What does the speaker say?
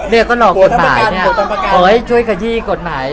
เนี่ยก็รอกกฎหมายที่งั้น